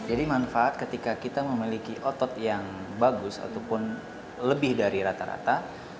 manfaat ketika kita memiliki otot yang bagus ataupun lebih dari rata rata